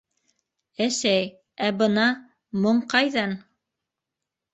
Әсәй, ә бына... моң ҡайҙан?